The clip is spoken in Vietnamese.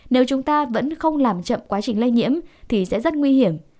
nếu chúng ta vẫn không làm chậm quá trình lây nhiễm thì sẽ rất nguy hiểm